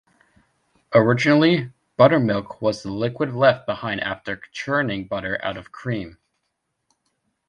Originally, buttermilk was the liquid left behind after churning butter out of cream.